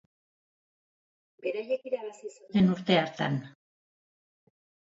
Beraiek irabazi zuten urte hartan.